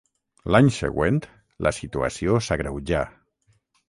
L'any següent, la situació s'agreujà.